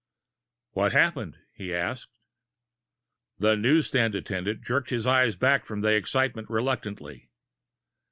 "What happened?" he asked. The newsstand attendant jerked his eyes back from they excitement reluctantly.